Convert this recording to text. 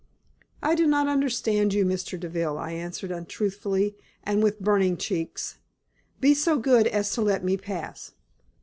"I do not understand you, Mr. Deville," I answered, untruthfully, and with burning cheeks. "Be so good as to let me pass."